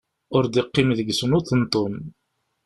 Ur d-iqqim deg-sen uṭenṭun.